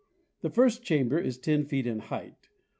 The first chamber is ten feet in height.